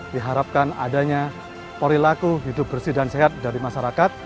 diharapkan adanya perilaku hidup bersih dan sehat dari masyarakat